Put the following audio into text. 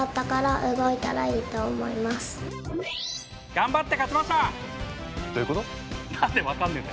頑張って勝ちました。